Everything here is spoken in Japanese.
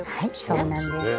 はいそうなんです。